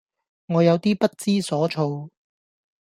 我有啲不知所措